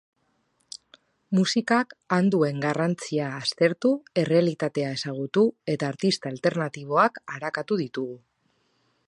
Musikak han duen garrantzia aztertu, errealitatea ezagutu eta artista alternatiboak arakatu ditugu.